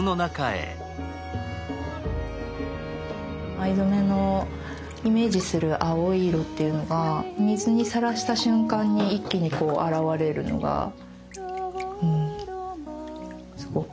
藍染めのイメージする青い色っていうのが水にさらした瞬間に一気にこう現れるのがすごく美しいなと。